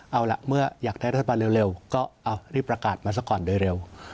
เอาล่ะเมื่ออยากได้รัฐบาลเร็วก็รีบประกาศมาสักก่อนโดยเร็ว